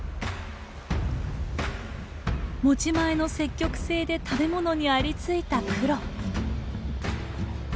持ち前の積極性で食べ物にありついたクロ。